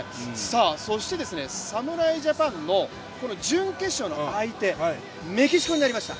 そして侍ジャパンの準決勝の相手、メキシコになりました。